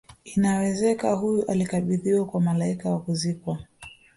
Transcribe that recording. inawezeka huyu alikabidhiwa kwa malaika na kuzikwa